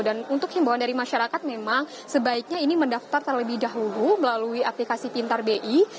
dan untuk himbawan dari masyarakat memang sebaiknya ini mendaftar terlebih dahulu melalui aplikasi pintar bi